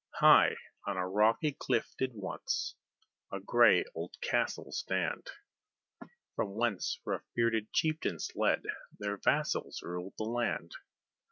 High on a rocky cliff did once a gray old castle stand, From whence rough bearded chieftains led their vassals ruled the land.